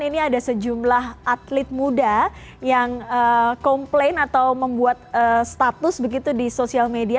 ini ada sejumlah atlet muda yang komplain atau membuat status begitu di sosial media